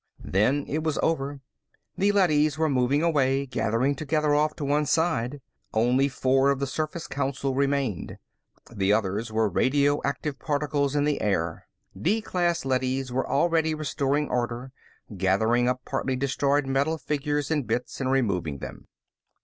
Then it was over. The leadys were moving away, gathering together off to one side. Only four of the Surface Council remained. The others were radioactive particles in the air. D class leadys were already restoring order, gathering up partly destroyed metal figures and bits and removing them.